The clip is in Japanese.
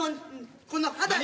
この肌に。